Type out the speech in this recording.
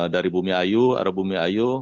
dari bumi ayu